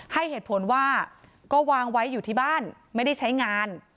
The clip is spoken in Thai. ให้เหตุผลว่าก็วางไว้อยู่ที่บ้านไม่ได้ใช้งาน